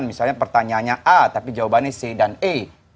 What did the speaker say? misalnya pertanyaannya a tapi jawabannya c dan e